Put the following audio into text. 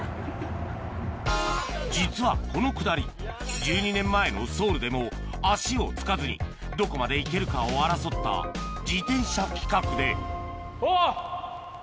実はこのくだり１２年前のソウルでも足をつかずにどこまで行けるかを争った自転車企画でおっ！